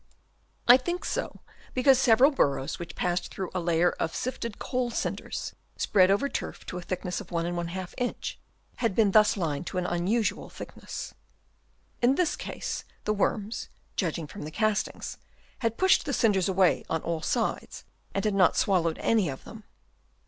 I think so because several burrows which passed through a layer of sifted coal cinders, spread over turf to a thickness of 1^ inch, had been thus lined to an 114 HABITS OF WORMS. Chap. II. unusual thickness. In this case the worms, judging from the castings, had pushed the cinders away on all sides and had not swallowed any of them.